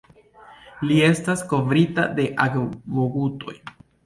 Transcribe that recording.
Li estas kovrita de akvogutoj.